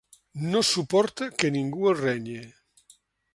No suporta que ningú el renyi.